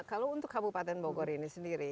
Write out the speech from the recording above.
kalau untuk kabupaten bogor ini sendiri